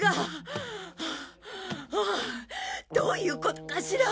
ハアハアどういうことかしら。